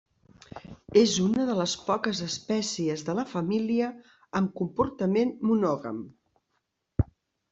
És una de les poques espècies de la família amb comportament monògam.